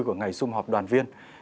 của ngày xung họp đoàn viên